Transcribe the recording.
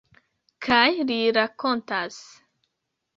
Kaj li rakontas.